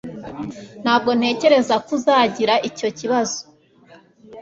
Ntabwo ntekereza ko uzagira icyo kibazo